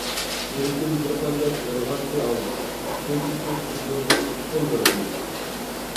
يۈرىكىم گۈلخاندەك يانغانتى ئاڭا، سۇ چېچىپ ئۆچۈردى ئۇچقۇنلىرىمنى.